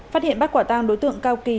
phát hiện bắt quả tàng đối tượng cao kỳ